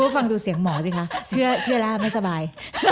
กูพาฮ่งดูเสียงหมอสิคะเชื่อละไม่สบาย